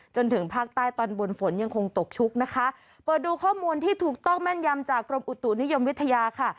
จนถึงภาคใต้ตอนบนฝนยังคงตกชุกนะคะเปิดดูข้อมูลที่ถูกต้องแม่นยำจากกรมอุตุนิยมวิทยาค่ะ